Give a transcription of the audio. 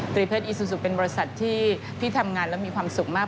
รีเศษอีซูซูเป็นบริษัทที่พี่ทำงานแล้วมีความสุขมาก